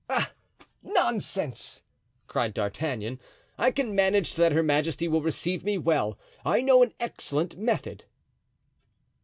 "Ah! nonsense!" cried D'Artagnan, "I can manage so that her majesty will receive me well; I know an excellent method."